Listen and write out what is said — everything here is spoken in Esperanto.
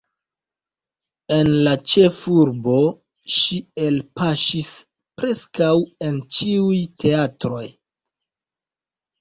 En la ĉefurbo ŝi elpaŝis preskaŭ en ĉiuj teatroj.